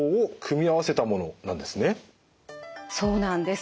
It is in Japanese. そうなんです。